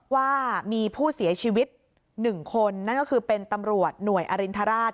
ว่ามีผู้เสียชีวิต๑คนนั่นก็คือเป็นตำรวจหน่วยอรินทราช